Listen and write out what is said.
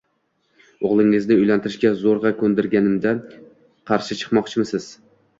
O`g`lingizni uylantirishga zo`rg`a ko`ndirganimda qarshi chiqmoqchimisiz